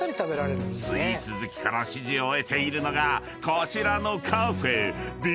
［スイーツ好きから支持を得ているのがこちらのカフェ］